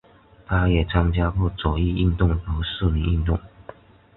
他也参加过左翼运动和市民运动。